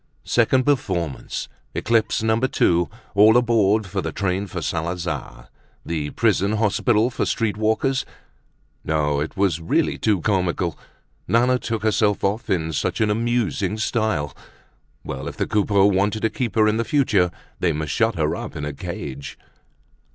Second performance, eclipse number two, all aboard for the train for Saint Lazare, the prison hospital for streetwalkers! No, it was really too comical. Nana took herself off in such an amusing style. Well, if the Coupeaus wanted to keep her in the future, they must shut her up in a cage.